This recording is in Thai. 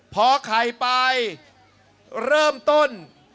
พอไข่ไปเริ่มต้น